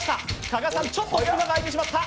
加賀さん、ちょっと隙間が空いてしまった。